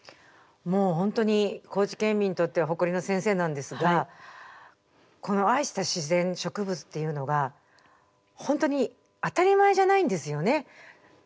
もう本当に高知県民にとっては誇りの先生なんですがこの愛した自然植物っていうのが本当に当たり前じゃないんですよね。